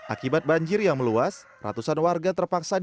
akibat banjir yang meluas ratusan warga terpaksa